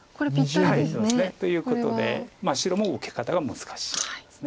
そうですね。ということで白も受け方が難しいです。